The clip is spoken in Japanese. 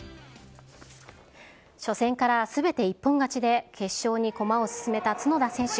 初戦からすべて一本勝ちで決勝に駒を進めた角田選手。